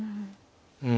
うん。